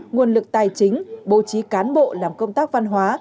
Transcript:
nguồn lực tài chính bố trí cán bộ làm công tác văn hóa